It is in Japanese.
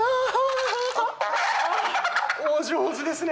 お上手ですね